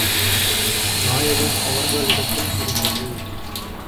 நாயகம் அவர்களிடத்தில் இருந்தது.